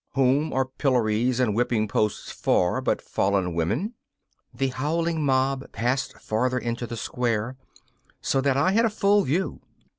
Whom are pillories and whipping posts for but fallen women?' The howling mob passed farther into the square, so that I had a full view.